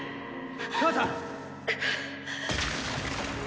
母さん！？